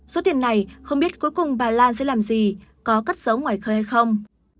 số tiền này không biết cuối cùng bà lan sẽ làm gì có cắt giấu ngoài khơi hay không